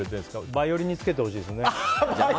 バイオリンに付けてほしいですね。